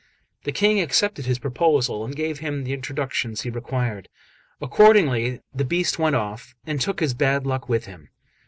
The King accepted his proposal, and gave him the introductions he required. Accordingly that beast went off, and took his bad luck with him.